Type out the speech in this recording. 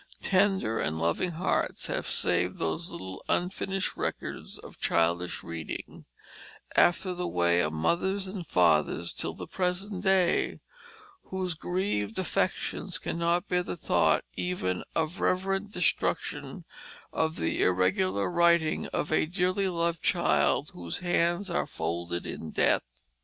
Tender and loving hearts have saved those little unfinished records of childish reading, after the way of mothers and fathers till the present day, whose grieved affections cannot bear the thought even of reverent destruction of the irregular writing of a dearly loved child whose hands are folded in death.